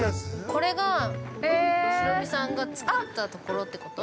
◆これが、ヒロミさんが造ったところってこと。